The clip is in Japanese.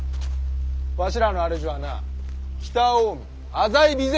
わしらの主はな北近江浅井備前